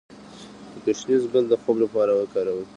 د ګشنیز ګل د خوب لپاره وکاروئ